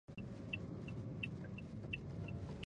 نیت پاک ساتئ